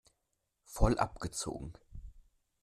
Voll abgezogen!